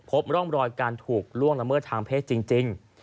พบร่องรอยการถูกล่วงละเมิดทางเพศจริง